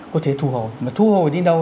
có thể thu hồi mà thu hồi đến đâu